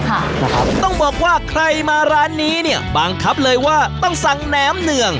ครับต้องบอกว่าใครมาร้านนี้เนี่ยบังคับเลยว่าต้องสั่งแหนมเนือง